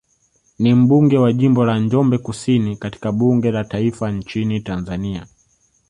Ni mbunge wa jimbo la Njombe Kusini katika bunge la taifa nchini Tanzania